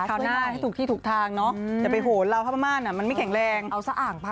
โอ้ตายแล้ว